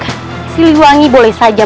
mas rata santang